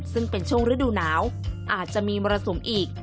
ซึ่งเป็นช่วงฤดูหนาวอาจจะมีมรสุมอีก